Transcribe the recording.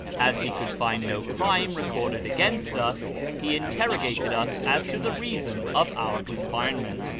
As he could find no crime recorded against us, he interrogated us as to the reason of our confinement.